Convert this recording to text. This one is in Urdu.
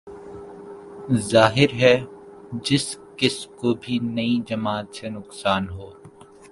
ظاہر ہے جس کس کو بھی نئی جماعت سے نقصان ہو